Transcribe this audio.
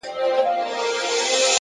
حقیقت تل خپله لاره پیدا کوي,